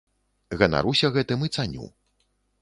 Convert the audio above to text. Ганаруся гэтым і цаню.